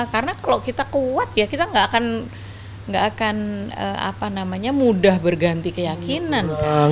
karena kalau kita kuat ya kita gak akan mudah berganti keyakinan